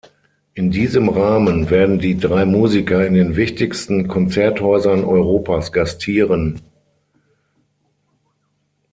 In diesem Rahmen werden die drei Musiker in den wichtigsten Konzerthäusern Europas gastieren.